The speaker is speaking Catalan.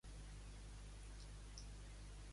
Chesterwood es troba al districte parlamentari de Hexham.